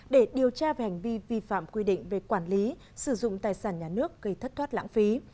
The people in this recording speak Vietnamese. để điều tra về hành vi vi phạm quy định về quản lý sử dụng tài sản nhà nước gây thất thoát lãng phí